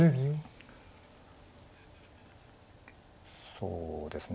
そうですね